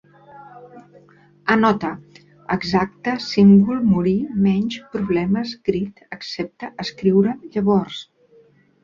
Anota: exacta, símbol, morir, menys, problemes, crit, excepte, escriure, llavors